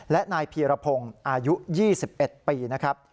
และนายพีรพงศ์อายุ๒๑ปีนะครับ